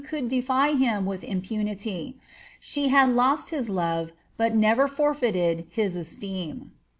could defy him with impunity ; she had lost his love, but never forfeited his esteem."